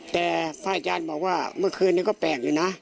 แต่พระอาจารย์บอกว่าเมื่อคืนนี้ก็แปลกอยู่นะ